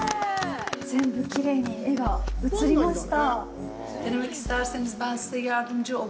全部きれいに絵が写りました。